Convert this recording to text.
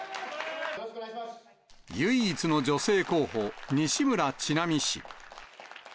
唯一の女性候補、西村智奈美氏。